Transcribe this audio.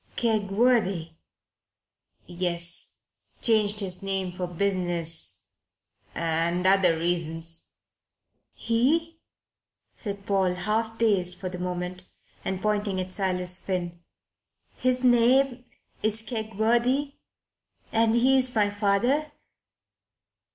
"Kegworthy?" "Yes. Changed his name for business and other reasons." "He?" said Paul, half dazed for the moment and pointing at Silas Finn. "His name is Kegworthy and he is my father?"